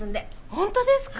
本当ですか！？